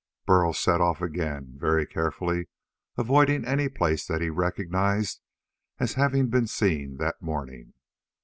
Burl set off again, very carefully avoiding any place that he recognized as having been seen that morning.